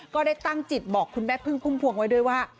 ก็ได้ตั้งจิตบอกคุณแม่พึ่งพุ่มพวงไว้ด้วยว่า